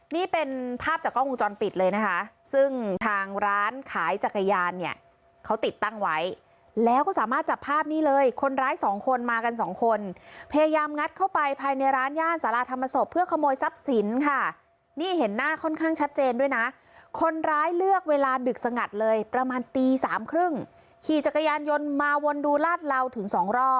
นี่เป็นภาพจากกล้องวงจรปิดเลยนะคะซึ่งทางร้านขายจักรยานเนี่ยเขาติดตั้งไว้แล้วก็สามารถจับภาพนี้เลยคนร้ายสองคนมากันสองคนพยายามงัดเข้าไปภายในร้านย่านสาราธรรมศพเพื่อขโมยทรัพย์สินค่ะนี่เห็นหน้าค่อนข้างชัดเจนด้วยนะคนร้ายเลือกเวลาดึกสงัดเลยประมาณตีสามครึ่งขี่จักรยานยนต์มาวนดูลาดเหลาถึงสองรอบ